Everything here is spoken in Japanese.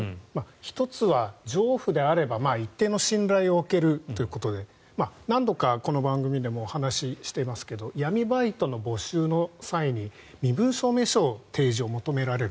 １つは情婦であれば一定の信頼を置けるということで何度かこの番組でも話していますが闇バイトでの募集の際に身分証明書の提示を求められる。